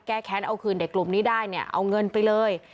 แค้นเอาคืนเด็กกลุ่มนี้ได้เนี่ยเอาเงินไปเลย